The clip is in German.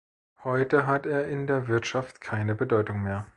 Heute hat er in der Wirtschaft keine Bedeutung mehr.